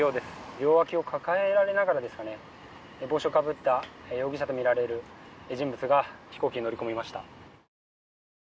両脇を抱えられながら帽子をかぶった容疑者とみられる人物が飛行機に乗り込みました。